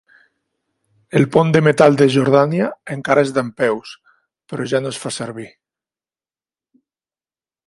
El pont de metal de Jordània encara és dempeus, però ja no es fa servir.